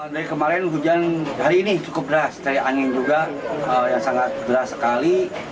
dari kemarin hujan hari ini cukup deras dari angin juga yang sangat deras sekali